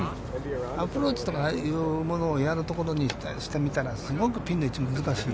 アプローチというものをやるところにしてみたら、すごくピンの位置が難しい。